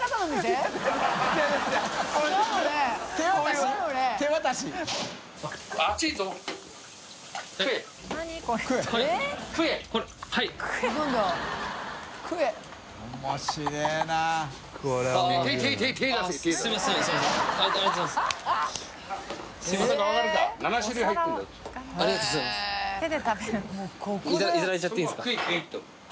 淵好織奪奸いただいちゃっていいんですか？